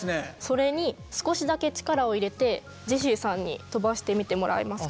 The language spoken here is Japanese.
それに少しだけ力を入れてジェシーさんに飛ばしてみてもらえますか？